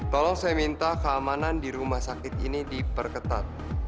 tolong saya minta keamanan di rumah sakit ini diperketat